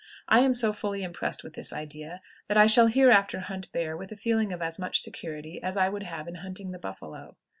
I am so fully impressed with this idea that I shall hereafter hunt bear with a feeling of as much security as I would have in hunting the buffalo.